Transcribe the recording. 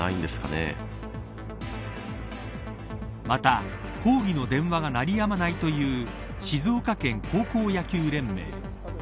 また、抗議の電話が鳴りやまないという静岡県高校野球連盟。